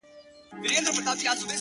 ستا د تن سايه مي په وجود كي ده”